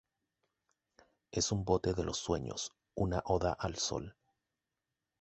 Es un bote de los sueños, una oda al sol.